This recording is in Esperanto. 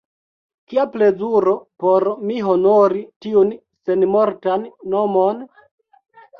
Kia plezuro por mi honori tiun senmortan nomon!